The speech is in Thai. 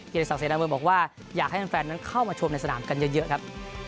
ศักดิเสนาเมืองบอกว่าอยากให้แฟนนั้นเข้ามาชมในสนามกันเยอะครับ